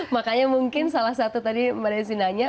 makanya mungkin salah satu tadi pada yang disini nanya